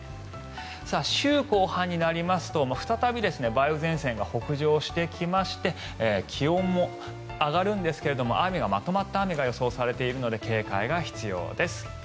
週後半になりますと再び梅雨前線が北上してきまして気温も上がるんですけれどもまとまった雨が予想されているので警戒が必要です。